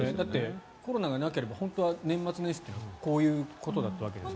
コロナがなければ本当は年末年始ってこういうことだったわけです。